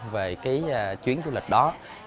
về cái chuyến du lịch đó